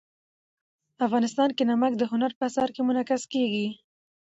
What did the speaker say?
افغانستان کې نمک د هنر په اثار کې منعکس کېږي.